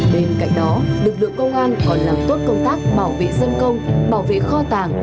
bên cạnh đó lực lượng công an còn làm tốt công tác bảo vệ dân công bảo vệ kho tàng